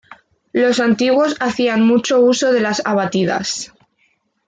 Los antiguos hacían mucho uso de las abatidas.